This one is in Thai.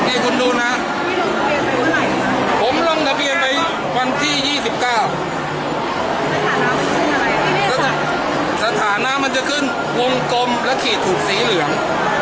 นี่คุณดูนะวันที่ยี่สิบเก้าสถานะมันจะขึ้นวงกลมและขีดถูกสีเหลือง